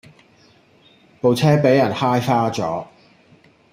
部車比人揩花左